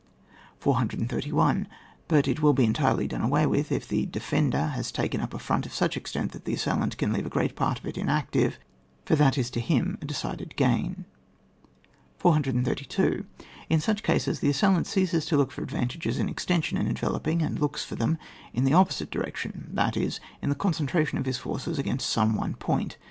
431. But it will be entirely done away with if the defender has taken up a front of such extent that the assailant can leave a great part of it inactive, for that is to him a decided gain. 432. In such cases, the assailant ceases to look for advantages in extension and enveloping, and looks for them in the opposite direction, that is, in the concen tration of his forces against some one point.